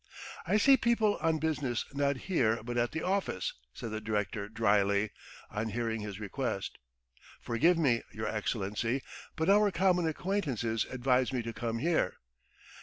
... "I see people on business not here but at the office," said the director drily, on hearing his request. "Forgive me, your Excellency, but our common acquaintances advised me to come here."